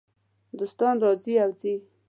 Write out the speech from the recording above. دوستان راځي او ځي .